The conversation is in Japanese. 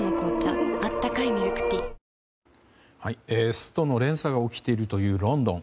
ストの連鎖が起きているというロンドン。